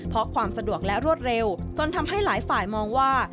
เพราะความสะดวกและรวดเร็วจนทำให้หลายฝ่ายมองว่า